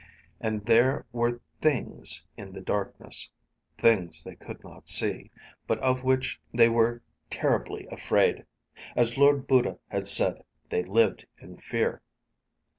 And there were things in the darkness. Things they could not see, but of which they were terribly afraid. As Lord Buddha had said, they lived in fear.